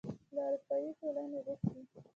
له اروپايي ټولنې غوښتي